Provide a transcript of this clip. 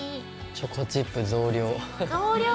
チョコチップ増量。